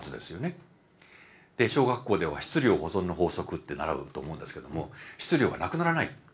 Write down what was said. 小学校では質量保存の法則って習うと思うんですけども質量は無くならない。